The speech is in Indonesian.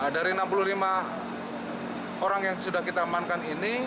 dari enam puluh lima orang yang sudah kita amankan ini